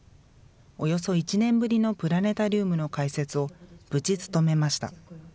およそ１年ぶりのプラネタリウムの解説を無事、務めました。